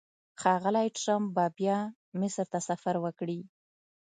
ښاغلی ټرمپ به بیا مصر ته سفر وکړي.